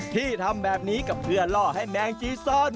ที่ทำแบบนี้ก็เพื่อล่อให้แมงจีซอน